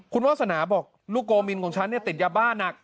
คุณวาสนาบอกลูกโกมินของฉันติดยาบ้าหนัก